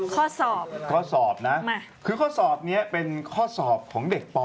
ข้อสอบข้อสอบนะคือข้อสอบนี้เป็นข้อสอบของเด็กป